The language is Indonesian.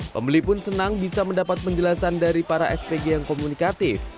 pembeli pun senang bisa mendapat penjelasan dari para spg yang komunikatif